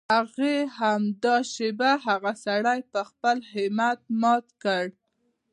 هغې همدا شېبه هغه سړی په خپل همت مات کړ.